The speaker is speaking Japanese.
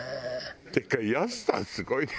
ってかやすさんすごいね。